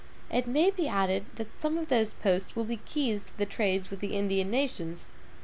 It may be added that some of those posts will be keys to the trade with the Indian nations.